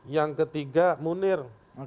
yang ketiga munir